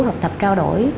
học tập trao đổi